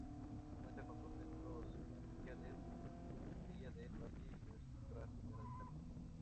Cuenta con dos templos parroquiales; Santa Maria del Valle y Nuestra Señora del Carmen.